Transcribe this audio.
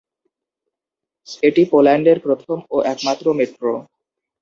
এটি পোল্যান্ডের প্রথম ও একমাত্র মেট্রো।